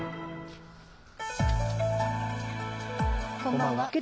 こんばんは。